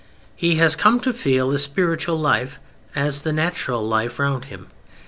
He has come to feel a spiritual life as the natural life round him.